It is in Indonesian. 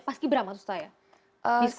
pas kibra maksud saya di sekolah sekolah